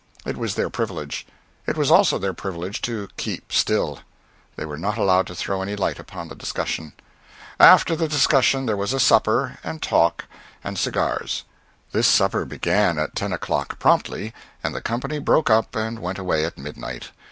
It was their privilege. It was also their privilege to keep still; they were not allowed to throw any light upon the discussion. After the discussion there was a supper, and talk, and cigars. This supper began at ten o'clock promptly, and the company broke up and went away at midnight.